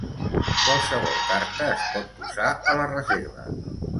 Qualsevol carta es pot posar a la reserva.